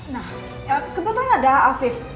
nah kebetulan ada afif